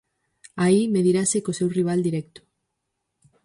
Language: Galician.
Aí medirase co seu rival directo.